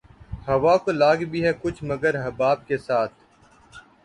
ہوا کو لاگ بھی ہے کچھ مگر حباب کے ساتھ